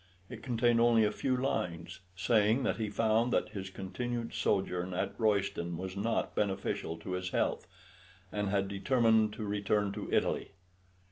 It contained only a few lines, saying that he found that his continued sojourn at Royston was not beneficial to his health, and had determined to return to Italy.